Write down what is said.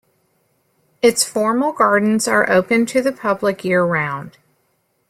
Its formal gardens are open to the public year round.